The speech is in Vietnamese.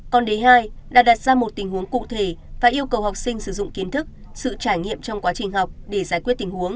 còn đề hai đã đặt ra một tình huống cụ thể và yêu cầu học sinh sử dụng kiến thức sự trải nghiệm trong quá trình học để giải quyết tình huống